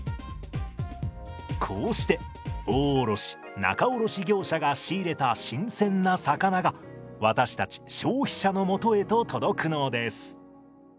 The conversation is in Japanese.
こうして大卸仲卸業者が仕入れた新鮮な魚が私たち消費者のもとへと届くのです。